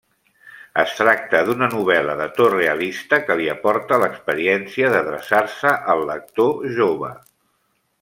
Es tracta d'una novel·la de to realista que li aporta l'experiència d'adreçar-se al lector jove.